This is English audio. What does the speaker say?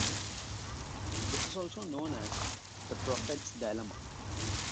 This is also known as the "prophet's dilemma".